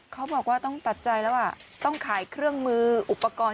เขาบอกว่าต้องตัดใจแล้วต้องขายเครื่องมืออุปกรณ์